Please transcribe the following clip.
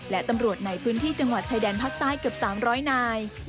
และตำรวจในพื้นที่จังหวัดชายแดนภาคใต้เกือบ๓๐๐นาย